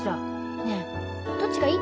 ねえどっちがいい？